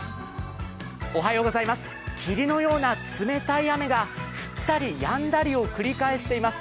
霧のような冷たい雨が降ったりやんだりを繰り返しています。